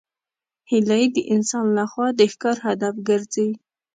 هیلۍ د انسان له خوا د ښکار هدف ګرځي